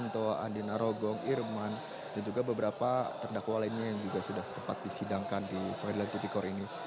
antara stiano vanto andina rogong irman dan juga beberapa terdakwa lainnya yang juga sudah sempat disidangkan di peradilan tvkor ini